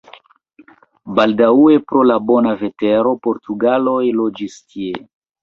Baldaŭe pro la bona vetero portugaloj loĝis tie.